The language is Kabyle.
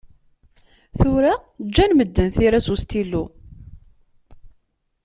Tura ǧǧan medden tira s ustilu.